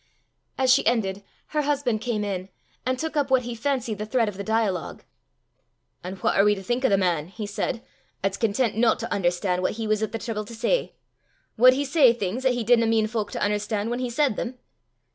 '" As she ended, her husband came in, and took up what he fancied the thread of the dialogue. "An' what are we to think o' the man," he said, "at's content no to un'erstan' what he was at the trible to say? Wad he say things 'at he didna mean fowk to un'erstan' whan he said them?"